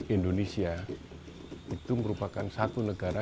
indonesia itu merupakan satu negara